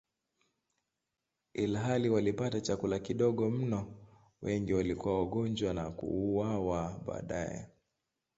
Ilhali walipata chakula kidogo mno, wengi walikuwa wagonjwa na kuuawa baadaye.